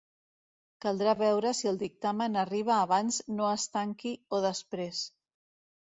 Caldrà veure si el dictamen arriba abans no es tanqui o després.